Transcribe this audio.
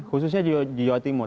khususnya di jawa timur